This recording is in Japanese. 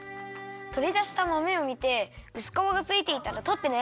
とりだしたまめをみてうすかわがついていたらとってね。